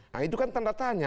nah itu kan tanda tanya